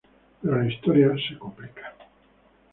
Pero la historia se complica.